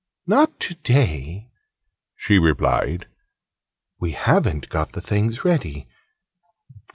"Not to day," she replied. "We haven't got the things ready.